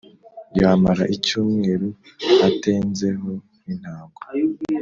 yamara icyumweru atenze ho n’intango